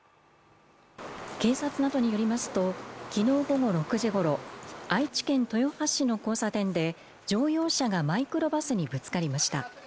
警察などによりますと昨日午後６時ごろ愛知県豊橋市の交差点で乗用車がマイクロバスにぶつかりました。